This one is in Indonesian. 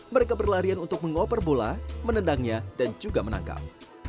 mereka berlarian untuk mengoper bola menendangnya dan juga menangkap